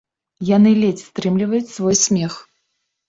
Яны ледзь стрымліваюць свой смех.